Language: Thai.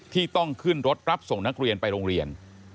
ที่ต้องขึ้นรถรับส่งนักเรียนไปโรงเรียน